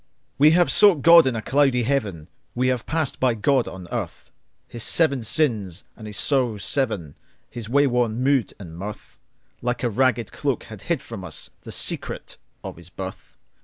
We have sought God in a cloudy Heaven, We have passed by God on earth:His seven sins and his sorrows seven, His wayworn mood and mirth, Like a ragged cloak have hid from usThe secret of his birth.